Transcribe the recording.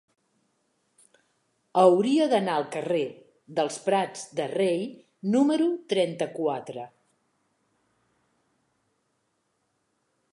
Hauria d'anar al carrer dels Prats de Rei número trenta-quatre.